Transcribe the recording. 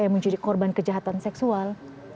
yang menjadi korban kejahatan seksual